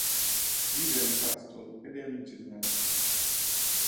Vive a Newcastle ed è un insegnante.